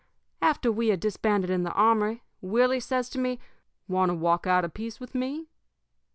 "After we had disbanded in the armory, Willie says to me: "'Want to walk out a piece with me?'